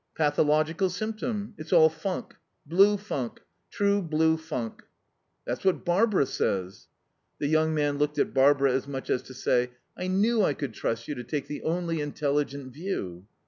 "Pathological symptom. It's all funk. Blue funk. True blue funk." "That's what Barbara says." The young man looked at Barbara as much as to say, "I knew I could trust you to take the only intelligent view."